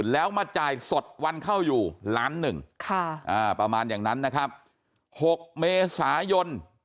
แล้วมาจ่ายสดวันเข้าอยู่ล้านหนึ่งประมาณอย่างนั้นนะครับ๖เมษายน